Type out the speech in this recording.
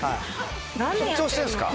緊張してんですか。